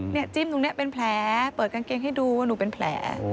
จิ้มตรงนี้เป็นแผลเปิดกางเกงให้ดูว่าหนูเป็นแผล